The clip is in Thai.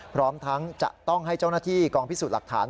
พร้อมทั้งจะต้องให้เจ้าหน้าที่กองพิสูจน์หลักฐาน